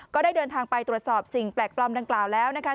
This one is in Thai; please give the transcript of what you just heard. ก็ได้เดินทางไปตรวจสอบสิ่งแปลกปลอมดังกล่าวแล้วนะคะ